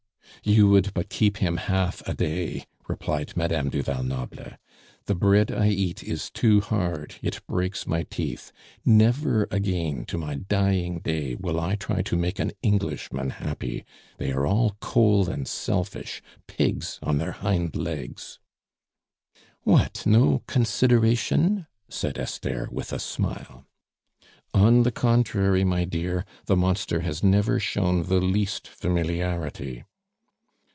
"You would but keep him half a day," replied Madame du Val Noble. "The bread I eat is too hard; it breaks my teeth. Never again, to my dying day, will I try to make an Englishman happy. They are all cold and selfish pigs on their hind legs." "What, no consideration?" said Esther with a smile. "On the contrary, my dear, the monster has never shown the least familiarity."